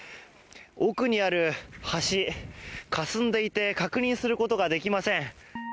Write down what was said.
奥にある橋、かすんでいで確認することができません。